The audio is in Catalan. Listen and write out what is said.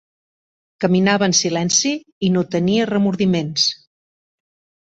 Caminava en silenci i no tenia remordiments.